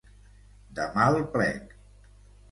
De mal plec.